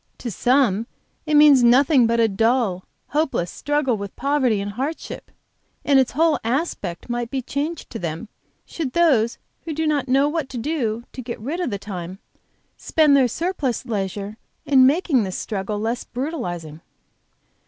To some it means nothing but a dull, hopeless struggle with poverty and hardship and its whole aspect might be changed to them, should those who do not know what to do to get rid of the time, spend their surplus leisure in making this struggle less brutalizing."